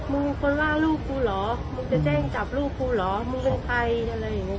มีคนว่าลูกกูเหรอมึงจะแจ้งจับลูกกูเหรอมึงเป็นใครอะไรอย่างนี้